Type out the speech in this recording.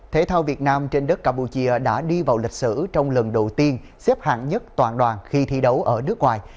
thể thao việt nam trên đất campuchia đã đi vào lịch sử trong lần đầu tiên xếp hạng nhất toàn đoàn khi thi đấu ở nước ngoài